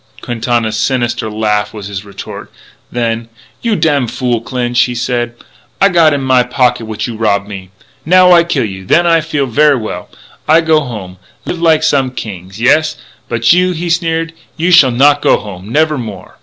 Quintana's sinister laughter was his retort. Then: "You damfool Clinch," he said, "I got in my pocket what you rob of me. Now I kill you, and then I feel ver' well. I go home, live like some kings; yes. But you," he sneered, "you shall not go home never no more.